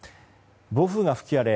暴風が吹き荒れ